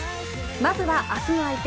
まずは明日の相手